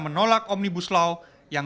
terima kasih pakhan